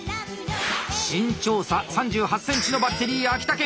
身長差３８センチのバッテリー秋田県。